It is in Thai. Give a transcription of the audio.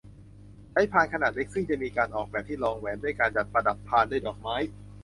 ใช้พานขนาดเล็กซึ่งจะมีการออกแบบที่รองแหวนด้วยการจัดประดับพานด้วยดอกไม้